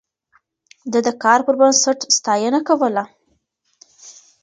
ده د کار پر بنسټ ستاينه کوله.